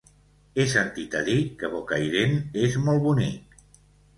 He sentit a dir que Bocairent és molt bonic.